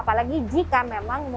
apabila akun telah berhubungan